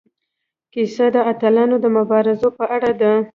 کیسه د اتلانو د مبارزو په اړه ده.